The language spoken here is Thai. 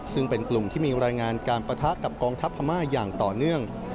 ซึ่งเป็นกลุ่มที่มีรายงานการปะทะกับกองทัพพม่าอย่างต่อเนื่อง